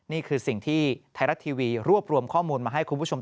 นี่คือสิ่งที่ไทยรัฐทีวีรวบรวมข้อมูลมาให้คุณผู้ชม